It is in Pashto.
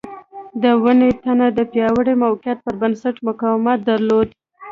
د ونې تنه د پیاوړي موقعیت پر بنسټ مقاومت درلود.